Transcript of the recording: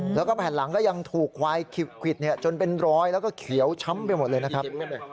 แล้วก็แผ่นหลังก็ยังถูกควายควิดจนเป็นรอยแล้วก็เขียวช้ำไปหมดเลยนะครับ